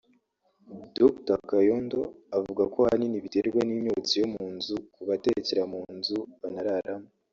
Dr Kayondo avuga ko ahanini biterwa n’imyotsi yo mu nzu kubatekera mu nzu banararamo